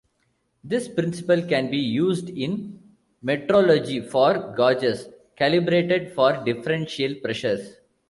This principle can be used in metrology for gauges calibrated for differential pressures.